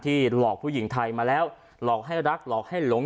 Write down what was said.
หลอกผู้หญิงไทยมาแล้วหลอกให้รักหลอกให้หลง